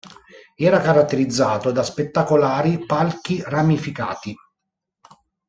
Era caratterizzato da spettacolari palchi ramificati.